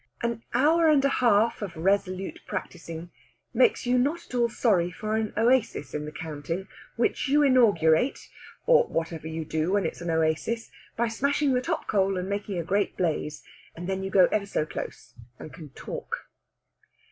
An hour and a half of resolute practising makes you not at all sorry for an oasis in the counting, which you inaugurate (or whatever you do when it's an oasis) by smashing the top coal and making a great blaze. And then you go ever so close, and can talk.